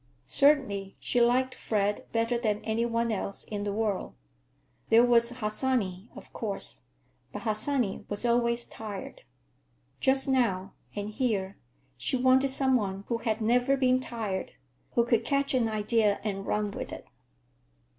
Certainly she liked Fred better than any one else in the world. There was Harsanyi, of course—but Harsanyi was always tired. Just now, and here, she wanted some one who had never been tired, who could catch an idea and run with it.